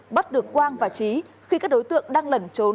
bắt được quang và trí khi các đối tượng đang lẩn trốn